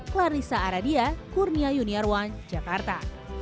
clarissa aradia kurnia junior one jakarta